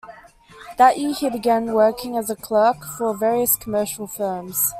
That year he began working as a clerk for various commercial firms.